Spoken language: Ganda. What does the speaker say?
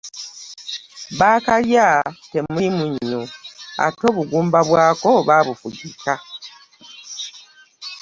Bakalya temuli munnyo ate obugumba bwako babufugika.